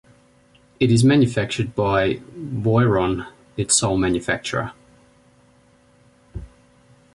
It is manufactured by Boiron, its sole manufacturer.